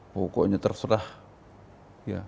pokoknya terserah ya